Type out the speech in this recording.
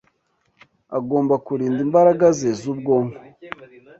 agomba kurinda imbaraga ze z’ubwonko